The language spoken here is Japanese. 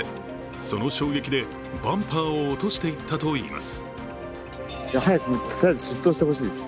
その衝撃でバンパーを落としていったといいます。